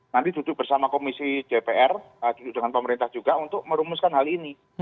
nanti duduk bersama komisi dpr dengan pemerintah juga untuk merumuskan hal ini